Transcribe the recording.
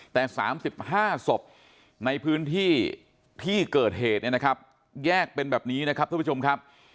แต่๓๕ศพในพื้นที่ที่เกิดเหตุเนี่ยนะครับแยกเป็นแบบนี้นะครับท่านผู้ชมครับ